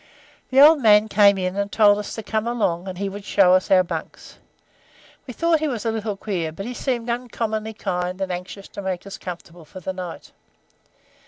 The old man came in, and told us to come along, and he would show us our bunks. We thought he was a little queer, but he seemed uncommonly kind and anxious to make us comfortable for the night.